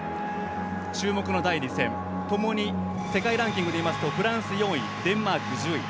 注目の第２戦、ともに世界ランキングで言いますとフランス４位、デンマーク１０位。